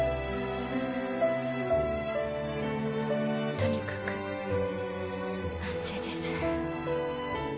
とにかく安静です